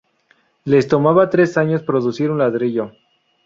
Les tomaba tres años producir un ladrillo.